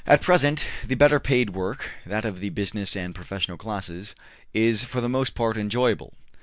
'' At present, the better paid work, that of the business and professional classes, is for the most part enjoyable.